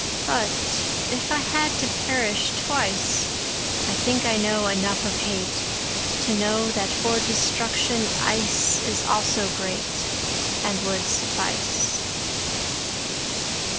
But if it had to perish twice,I think I know enough of hateTo know that for destruction iceIs also greatAnd would suffice.